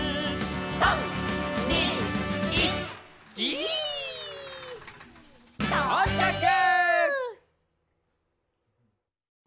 「３・２・１ギィ」とうちゃく！